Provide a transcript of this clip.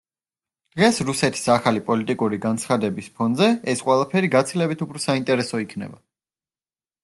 დღეს რუსეთის ახალი პოლიტიკური განაცხადების ფონზე ეს ყველაფერი გაცილებით უფრო საინტერესო იქნება.